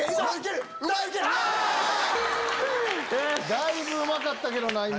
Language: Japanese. だいぶうまかったけどな。